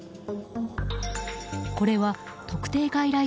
これは特定外来